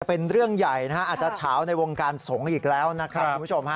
เป็นเรื่องใหญ่นะฮะอาจจะเฉาในวงการสงฆ์อีกแล้วนะครับคุณผู้ชมฮะ